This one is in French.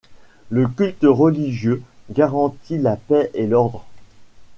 Le culte religieux garantit la paix et l'ordre.